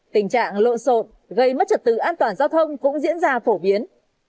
tình trạng lộn xộn gây mất trật tự an toàn giao thông cũng diễn ra phổ biến